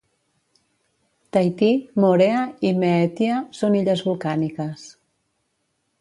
Tahiti, Moorea i Mehetia són illes volcàniques.